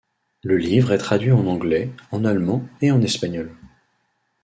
Le livre est traduit en anglais, en allemand et en espagnol.